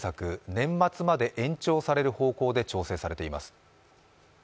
年末まで延長される方向で調整されています。